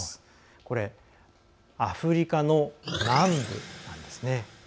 これ、アフリカの南部なんです。